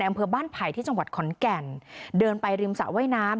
อำเภอบ้านไผ่ที่จังหวัดขอนแก่นเดินไปริมสระว่ายน้ำ